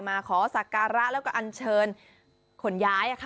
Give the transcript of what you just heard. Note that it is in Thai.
มาขอสักการะแล้วก็อันเชิญขนย้าย